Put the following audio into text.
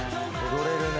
踊れるね。